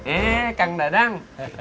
eh kang dadang